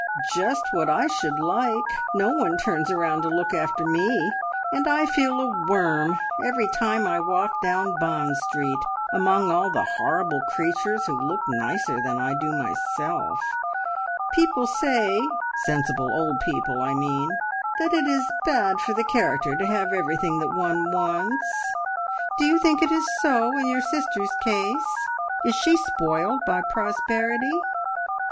"Just what I should like. No one turns round to look after me, and I feel a worm every time I walk down Bond Street among all the horrible creatures who look nicer than I do myself. People say sensible old people, I mean that it is bad for the character to have everything that one wants. Do you think it is so in your sister's case? Is she spoiled by prosperity?"